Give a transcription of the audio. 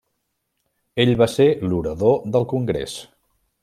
Ell va ser l'orador del Congrés.